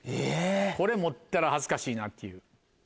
これ持ってたら恥ずかしいなって。